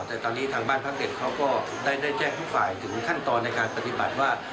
แต่ตอนนี้ทางบ้านพักเด็กเขาก็ได้แจ้งทุกฝ่ายถึงขั้นตอนในการปฏิบัติว่า